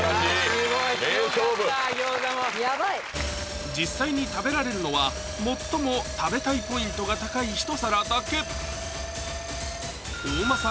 名勝負ヤバい実際に食べられるのは最も食べたいポイントが高いひと皿だけどっち？